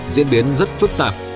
diễn biến rất phức tạp